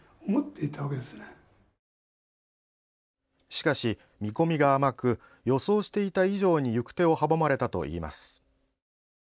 しかし、見込みが甘く予想していた以上に行く手を阻まれたといいます。